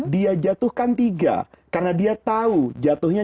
dia jatuhkan tiga karena dia tahu jatuhnya